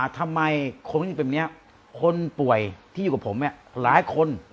ทำไมคนที่เป็นแบบนี้คนป่วยที่อยู่กับผมหลายคน